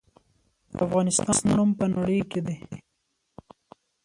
د افغانستان نوم په نړۍ کې دی